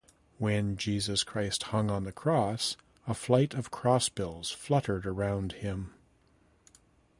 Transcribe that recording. When Jesus Christ hung on the cross a flight of crossbills fluttered around him.